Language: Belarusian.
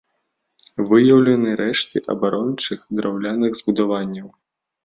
Выяўлены рэшткі абарончых драўляных збудаванняў.